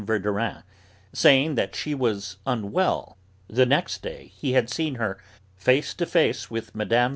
Verdurin, saying that she was unwell, the next day he had seen her, face to face with Mme.